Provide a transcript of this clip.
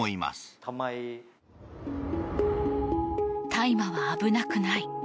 大麻は危なくない。